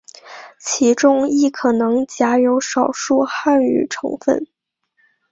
其中亦可能夹有少数汉语成分。